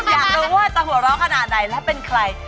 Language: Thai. อยากรู้ว่าจะหัวเราะขนาดไหนและเป็นใคร